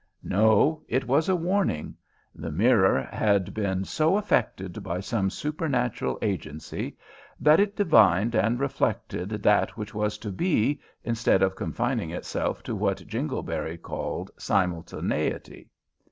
No. It was a warning. The mirror had been so affected by some supernatural agency that it divined and reflected that which was to be instead of confining itself to what Jingleberry called "simultaneity."